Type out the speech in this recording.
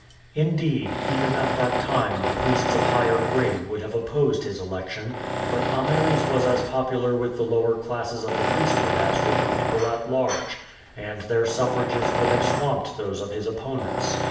Indeed, even at that time the priests of higher grade would have opposed his election; but Ameres was as popular with the lower classes of the priesthood as with the people at large, and their suffrages would have swamped those of his opponents.